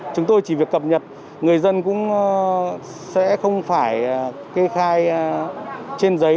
chúng tôi chỉ việc cập nhật người dân cũng sẽ không phải kê khai trên giấy